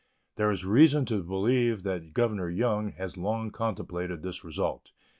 There is reason to believe that Governor Young has long contemplated this result.